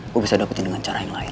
gue bisa dapetin dengan cara yang lain